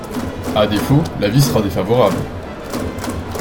À défaut, l’avis sera défavorable.